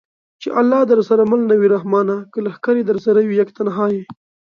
چې الله درسره مل نه وي رحمانه! که لښکرې درسره وي یک تنها یې